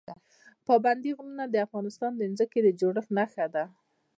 پابندی غرونه د افغانستان د ځمکې د جوړښت نښه ده.